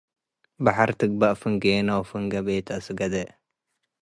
በሐር ትግበእ ፍንጌነ ወፍንጌ ቤት አስገዴ